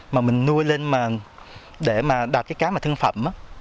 mà mình nuôi lên để đạt cái cá thương pháp này